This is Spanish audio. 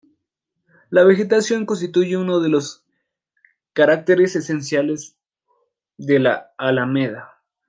La vegetación constituye unos de los caracteres esenciales de la Alameda.